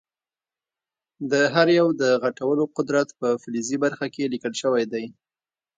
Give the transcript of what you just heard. د هر یو د غټولو قدرت په فلزي برخه کې لیکل شوی دی.